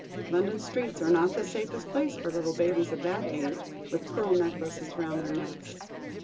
London streets are not the safest place for little babies of that age, with pearl necklaces round their necks."